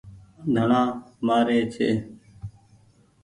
ڌڻآ مآري ڇي۔